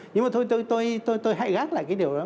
nhưng mà thôi tôi tôi hãy gác lại cái điều đó